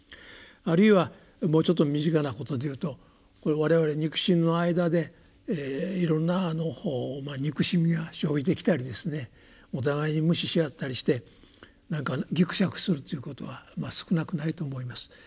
あるいはもうちょっと身近なことで言うと我々肉親の間でいろんな憎しみが生じてきたりですねお互いに無視し合ったりしてぎくしゃくするっていうことは少なくないと思います。